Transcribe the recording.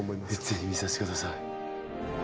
ぜひ見させて下さい。